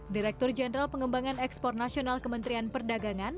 direktur jenderal pengembangan ekspor nasional kementerian perdagangan